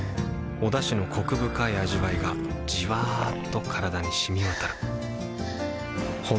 おだしのコク深い味わいがじわっと体に染み渡るはぁ。